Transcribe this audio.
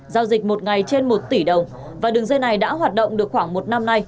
giao dịch một ngày trên một tỷ đồng và đường dây này đã hoạt động được khoảng một năm nay